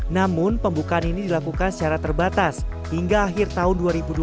namun pembukaan ini dilakukan secara terbatas hingga akhir tahun dua ribu dua puluh